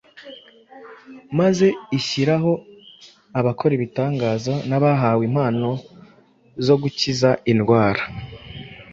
maze ishyiraho abakora ibitangaza, n’abahawe impano zo gukiza indwara,